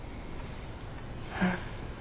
うん。